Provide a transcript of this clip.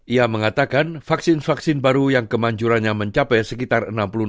ia mengatakan vaksin vaksin baru yang kemanjurannya mencapai sekitar enam puluh enam